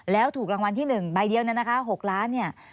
แล้วถูกรางวัลที่๑ใบเดียวเนี่ยนะคะ๖ล้านเนี่ย